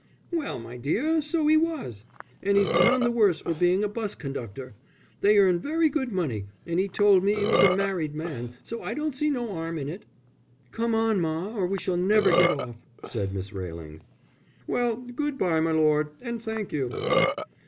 "Well, my dear, so 'e was. And 'e's none the worse for being a 'bus conductor. They earn very good money, and 'e told me 'e was a married man, so I don't see no 'arm in it." "Come on, ma, or we shall never get off," said Miss Railing. "Well, good bye, my lord. And thank you."